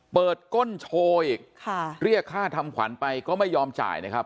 ก้นโชว์อีกเรียกค่าทำขวัญไปก็ไม่ยอมจ่ายนะครับ